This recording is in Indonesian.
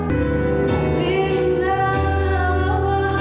rindah tak lewat